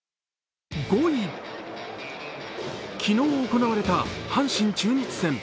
５位、昨日、行われた阪神×中日戦。